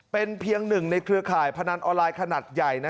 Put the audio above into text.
เป็นเพียงหนึ่งในเครือข่ายพนันออนไลน์ขนาดใหญ่